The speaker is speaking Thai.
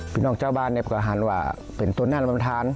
พี่น้องเจ้าบ้านเนี่ยก็หันว่าเป็นตัวน่ารับประทาน